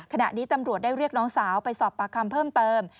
ขณะนี้ตำรวจได้เรียกน้องสาวไปสอบปากคำเพิ่มเติม